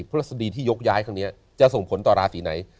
พฤษฎีที่ยกย้ายครั้งนี้จะส่งผลต่อราศีไหน